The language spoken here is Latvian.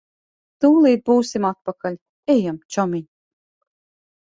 Tūlīt būsim atpakaļ. Ejam, čomiņ.